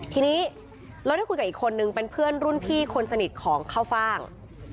ทีนี้เราได้คุยกับอีกคนนึงเป็นเพื่อนรุ่นพี่คนสนิทของข้าวฟ่าง